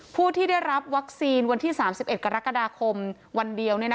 ผู้ที่ได้รับวัคซีนวันที่๓๑กรกฎาคมวันเดียว